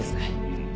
うん。